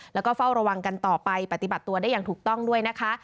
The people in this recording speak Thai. แล้วก็เฝ้าระวังกันต่อไปปฏิบัติตัวได้อย่างถูกต้องด้วยนะคะ